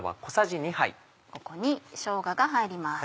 ここにしょうがが入ります。